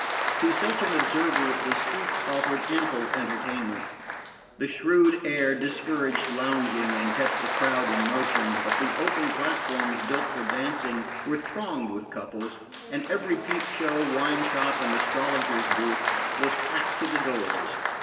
To such an observer the streets offered ample entertainment. The shrewd air discouraged lounging and kept the crowd in motion; but the open platforms built for dancing were thronged with couples, and every peep show, wine shop and astrologer's booth was packed to the doors.